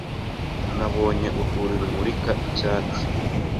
Nabonye urwuri rumurika icyatsi